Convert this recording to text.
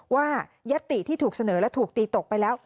ยัตติที่ถูกเสนอและถูกตีตกไปแล้ว